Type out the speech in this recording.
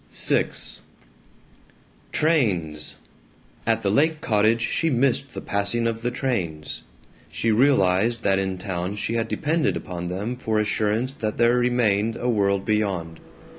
VI Trains! At the lake cottage she missed the passing of the trains. She realized that in town she had depended upon them for assurance that there remained a world beyond.